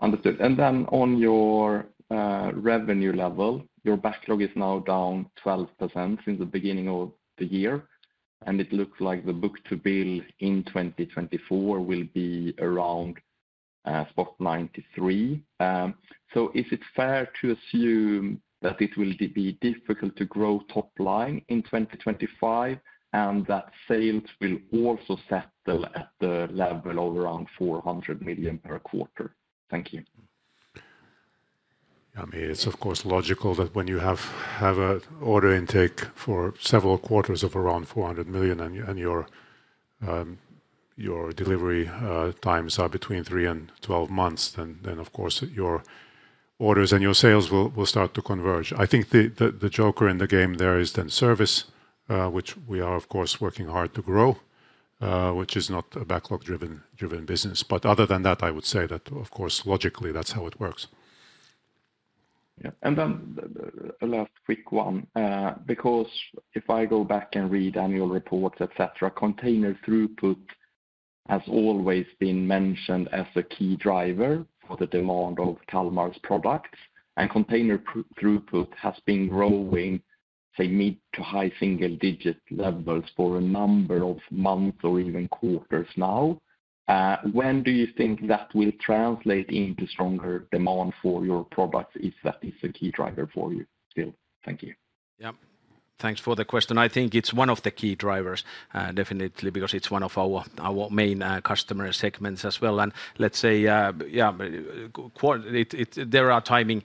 Understood, and then on your revenue level, your backlog is now down 12% since the beginning of the year, and it looks like the book-to-bill in 2024 will be around 0.93. So is it fair to assume that it will be difficult to grow top line in 2025 and that sales will also settle at the level of around 400 million per quarter? Thank you. Yeah, I mean, it's of course logical that when you have an order intake for several quarters of around 400 million and your delivery times are between three and 12 months, then of course your orders and your sales will start to converge. I think the joker in the game there is then service, which we are of course working hard to grow, which is not a backlog-driven business. But other than that, I would say that of course logically that's how it works. Yeah, and then a last quick one, because if I go back and read annual reports, et cetera, container throughput has always been mentioned as a key driver for the demand of Kalmar's products. And container throughput has been growing, say, mid- to high-single-digit levels for a number of months or even quarters now. When do you think that will translate into stronger demand for your products if that is a key driver for you still? Thank you. Yeah, thanks for the question. I think it's one of the key drivers, definitely, because it's one of our main customer segments as well. And let's say, yeah, there are timing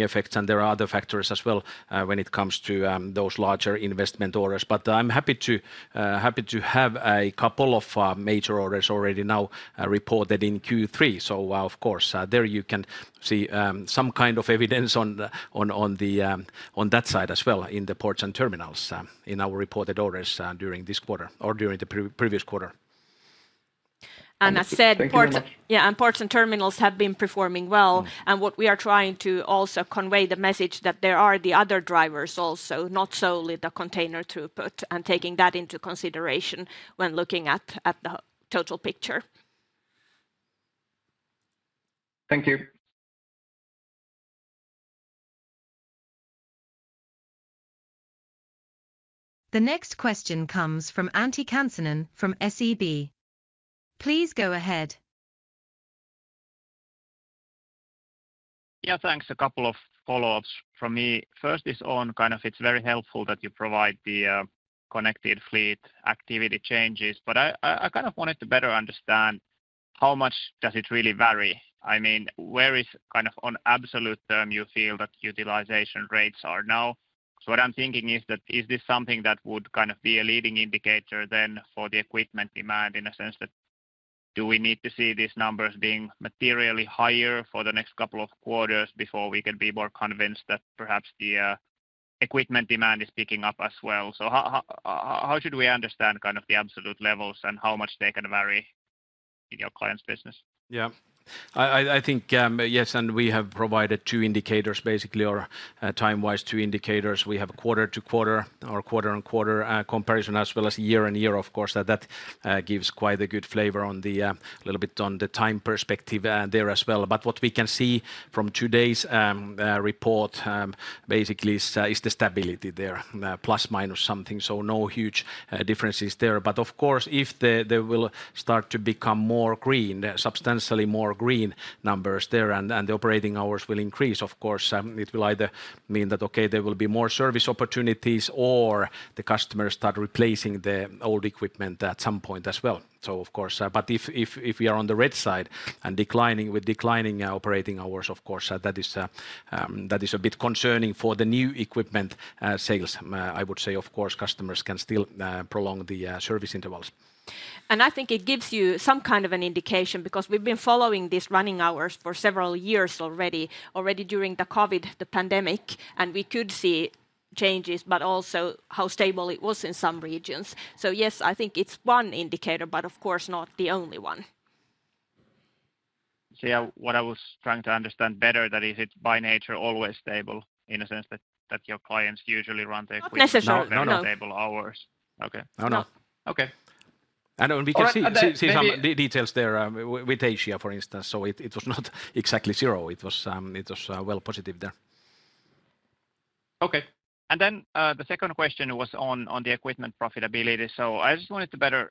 effects and there are other factors as well when it comes to those larger investment orders. But I'm happy to have a couple of major orders already now reported in Q3. So of course there you can see some kind of evidence on that side as well in the ports and terminals in our reported orders during this quarter or during the previous quarter. As said, ports and terminals have been performing well. What we are trying to also convey the message that there are the other drivers also, not solely the container throughput, and taking that into consideration when looking at the total picture. Thank you. The next question comes from Antti Kansanen from SEB. Please go ahead. Yeah, thanks. A couple of follow-ups from me. First is on kind of it's very helpful that you provide the connected fleet activity changes, but I kind of wanted to better understand how much does it really vary? I mean, where is kind of on absolute term you feel that utilization rates are now? So what I'm thinking is that is this something that would kind of be a leading indicator then for the equipment demand in a sense that do we need to see these numbers being materially higher for the next couple of quarters before we can be more convinced that perhaps the equipment demand is picking up as well? So how should we understand kind of the absolute levels and how much they can vary in your client's business? Yeah, I think yes, and we have provided two indicators, basically, or time-wise two indicators. We have a quarter-to-quarter or quarter-on-quarter comparison as well as year-on-year, of course. That gives quite a good flavor on the little bit on the time perspective there as well, but what we can see from today's report basically is the stability there, plus or minus something, so no huge differences there, but of course, if there will start to become more green, substantially more green numbers there and the operating hours will increase, of course, it will either mean that, okay, there will be more service opportunities or the customers start replacing the old equipment at some point as well. So of course, but if we are on the red side and declining with declining operating hours, of course, that is a bit concerning for the new equipment sales. I would say, of course, customers can still prolong the service intervals. I think it gives you some kind of an indication because we've been following these running hours for several years already, already during the COVID, the pandemic, and we could see changes, but also how stable it was in some regions. Yes, I think it's one indicator, but of course not the only one. So yeah, what I was trying to understand better, that is it by nature always stable in a sense that your clients usually run the equipment. Not necessarily. No, no, stable hours. Okay. No, no. Okay. We can see some details there with Asia, for instance. It was not exactly zero. It was well positive there. Okay. And then the second question was on the equipment profitability. So I just wanted to better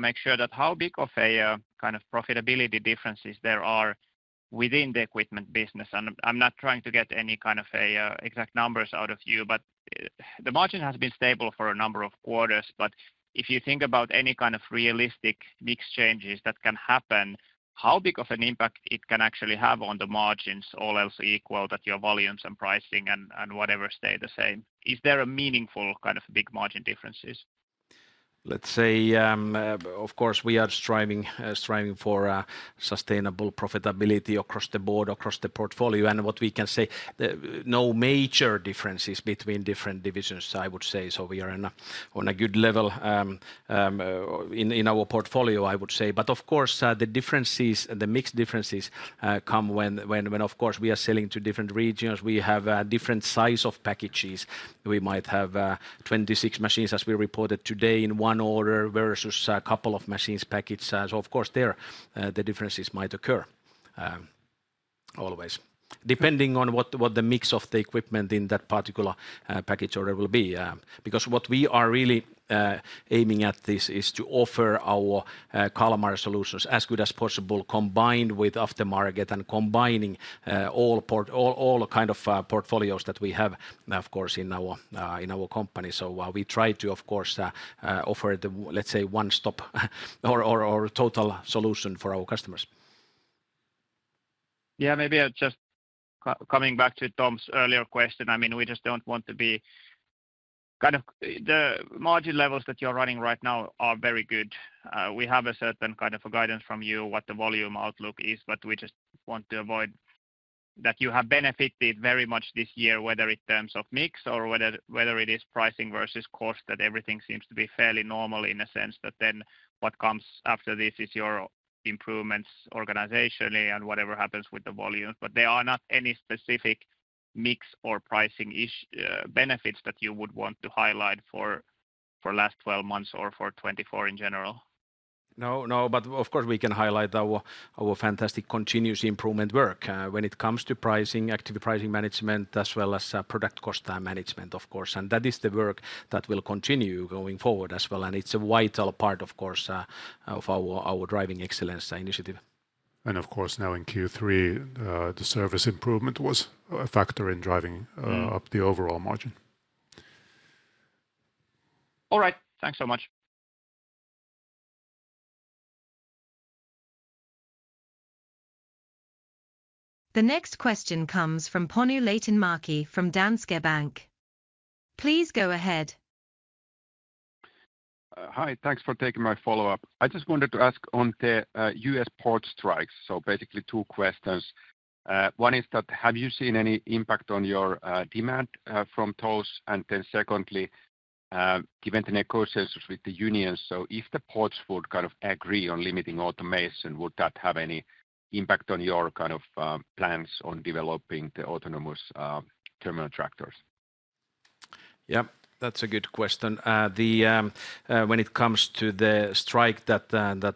make sure that how big of a kind of profitability differences there are within the equipment business. And I'm not trying to get any kind of exact numbers out of you, but the margin has been stable for a number of quarters. But if you think about any kind of realistic mix changes that can happen, how big of an impact it can actually have on the margins all else equal that your volumes and pricing and whatever stay the same? Is there a meaningful kind of big margin differences? Let's say, of course, we are striving for sustainable profitability across the board, across the portfolio, and what we can say, no major differences between different divisions, I would say, so we are on a good level in our portfolio, I would say, but of course, the differences, the mix differences come when, of course, we are selling to different regions, we have different size of packages, we might have 26 machines, as we reported today, in one order versus a couple of machines packages, so of course, there the differences might occur always, depending on what the mix of the equipment in that particular package order will be, because what we are really aiming at this is to offer our Kalmar solutions as good as possible, combined with aftermarket and combining all kind of portfolios that we have, of course, in our company. We try to, of course, offer the, let's say, one-stop or total solution for our customers. Yeah, maybe just coming back to Tom's earlier question. I mean, we just don't want to be kind of the margin levels that you're running right now are very good. We have a certain kind of guidance from you what the volume outlook is, but we just want to avoid that you have benefited very much this year, whether in terms of mix or whether it is pricing versus cost, that everything seems to be fairly normal in a sense that then what comes after this is your improvements organizationally and whatever happens with the volumes. But there are not any specific mix or pricing benefits that you would want to highlight for last 12 months or for 24 in general? No, no, but of course we can highlight our fantastic continuous improvement work when it comes to pricing, active pricing management, as well as product cost management, of course. And that is the work that will continue going forward as well. And it's a vital part, of course, of our Driving Excellence initiative. Of course, now in Q3, the service improvement was a factor in driving up the overall margin. All right. Thanks so much. The next question comes from Panu Laitinmäki from Danske Bank. Please go ahead. Hi, thanks for taking my follow-up. I just wanted to ask on the U.S. port strikes. So basically two questions. One is that have you seen any impact on your demand from those? And then secondly, given the negotiations with the unions, so if the ports would kind of agree on limiting automation, would that have any impact on your kind of plans on developing the autonomous terminal tractors? Yeah, that's a good question. When it comes to the strike that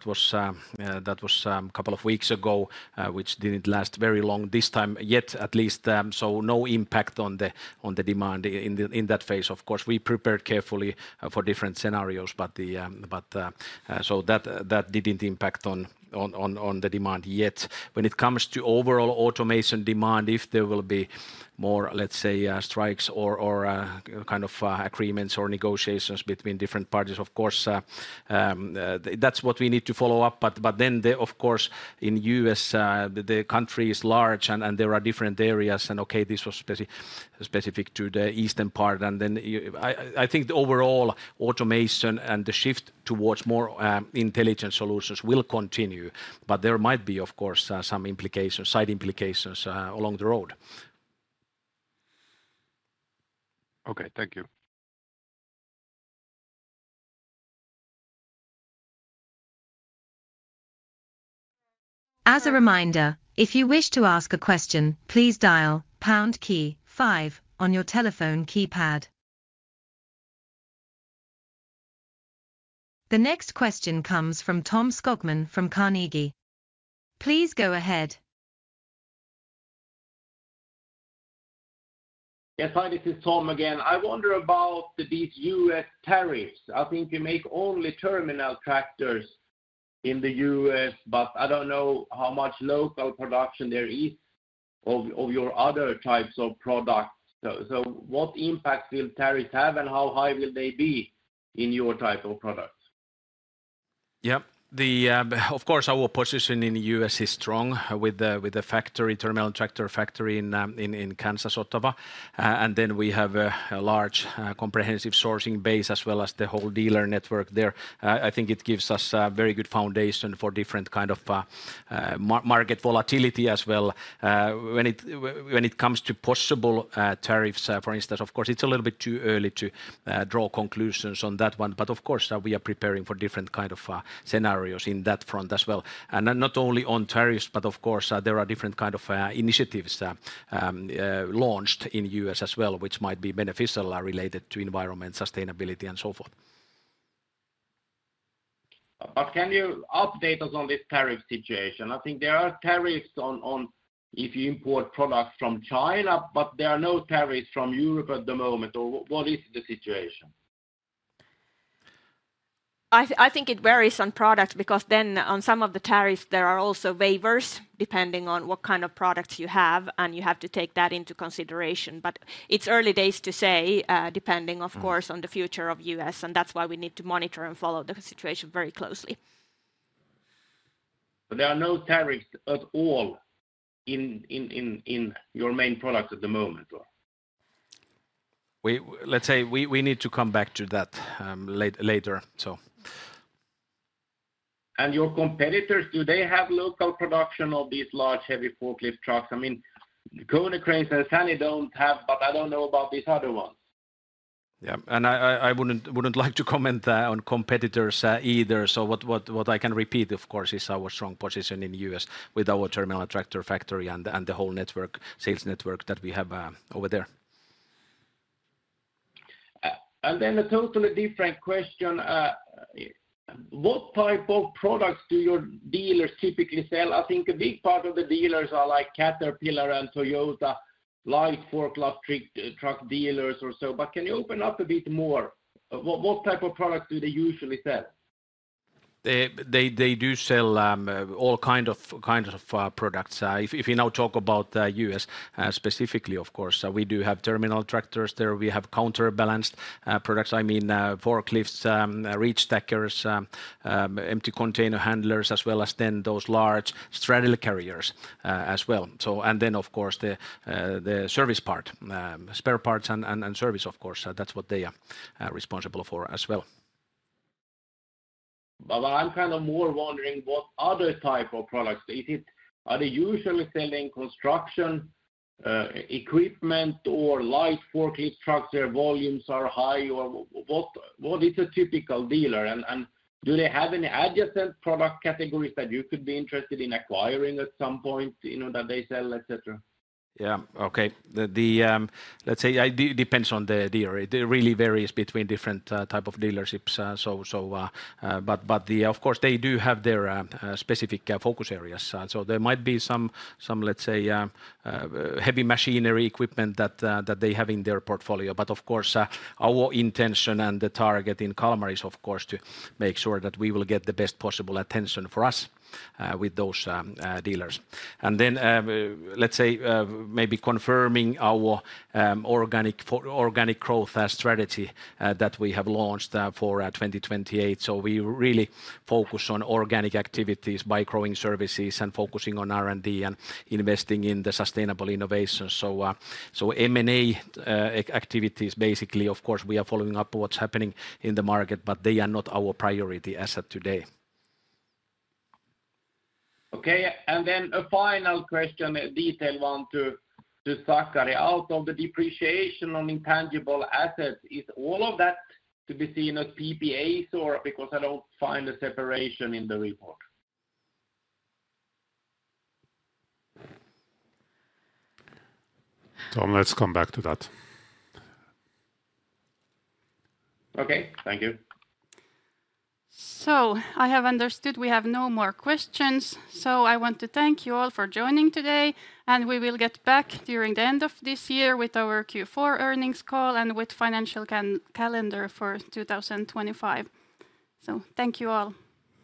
was a couple of weeks ago, which didn't last very long this time yet, at least, so no impact on the demand in that phase. Of course, we prepared carefully for different scenarios, but so that didn't impact on the demand yet. When it comes to overall automation demand, if there will be more, let's say, strikes or kind of agreements or negotiations between different parties, of course, that's what we need to follow up. But then of course, in the U.S., the country is large and there are different areas, and okay, this was specific to the eastern part, and then I think the overall automation and the shift towards more intelligent solutions will continue, but there might be, of course, some side implications along the road. Okay, thank you. As a reminder, if you wish to ask a question, please dial pound key five on your telephone keypad. The next question comes from Tom Skogman from Carnegie. Please go ahead. Yes, hi, this is Tom again. I wonder about these U.S. tariffs. I think you make only terminal tractors in the U.S., but I don't know how much local production there is of your other types of products. So what impact will tariffs have and how high will they be in your type of products? Yeah, of course, our position in the U.S. is strong with the factory, terminal tractor factory in Kansas, Ottawa, and then we have a large comprehensive sourcing base as well as the whole dealer network there. I think it gives us a very good foundation for different kind of market volatility as well. When it comes to possible tariffs, for instance, of course, it's a little bit too early to draw conclusions on that one, but of course, we are preparing for different kind of scenarios in that front as well, and not only on tariffs, but of course, there are different kind of initiatives launched in the U.S. as well, which might be beneficial related to environment, sustainability, and so forth. But can you update us on this tariff situation? I think there are tariffs if you import products from China, but there are no tariffs from Europe at the moment. Or what is the situation? I think it varies on product because then on some of the tariffs, there are also waivers depending on what kind of products you have, and you have to take that into consideration. But it's early days to say, depending of course on the future of the U.S. And that's why we need to monitor and follow the situation very closely. So there are no tariffs at all in your main products at the moment? Let's say we need to come back to that later, so. Your competitors, do they have local production of these large heavy forklift trucks? I mean, Konecranes and SANY don't have, but I don't know about these other ones. Yeah, and I wouldn't like to comment on competitors either. So what I can repeat, of course, is our strong position in the U.S. with our terminal tractor factory and the whole network, sales network that we have over there. And then a totally different question. What type of products do your dealers typically sell? I think a big part of the dealers are like Caterpillar and Toyota, light forklift truck dealers or so. But can you open up a bit more? What type of products do they usually sell? They do sell all kinds of products. If you now talk about the U.S. specifically, of course, we do have terminal tractors there. We have counterbalanced products. I mean, forklifts, reach stackers, empty container handlers, as well as then those large straddle carriers as well. And then, of course, the service part, spare parts and service, of course. That's what they are responsible for as well. But I'm kind of more wondering what other type of products? Are they usually selling construction equipment or light forklift trucks where volumes are high? Or what is a typical dealer? And do they have any adjacent product categories that you could be interested in acquiring at some point that they sell, et cetera? Yeah, okay. Let's say it depends on the dealer. It really varies between different types of dealerships. But of course, they do have their specific focus areas. So there might be some, let's say, heavy machinery equipment that they have in their portfolio. But of course, our intention and the target in Kalmar is, of course, to make sure that we will get the best possible attention for us with those dealers. And then, let's say, maybe confirming our organic growth strategy that we have launched for 2028. So we really focus on organic activities by growing services and focusing on R&D and investing in the sustainable innovations. So M&A activities, basically, of course, we are following up what's happening in the market, but they are not our priority as of today. Okay, and then a final question, a detailed one to Sakari. Out of the depreciation on intangible assets, is all of that to be seen as PPAs or because I don't find a separation in the report? Tom, let's come back to that. Okay, thank you. I have understood we have no more questions. I want to thank you all for joining today. We will get back during the end of this year with our Q4 earnings call and with financial calendar for 2025. Thank you all.